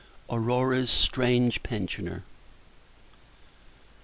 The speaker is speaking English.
AURORA'S STRANGE PENSIONER.